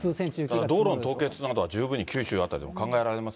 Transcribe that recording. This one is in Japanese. だから道路の凍結などは十分に九州などでも考えられます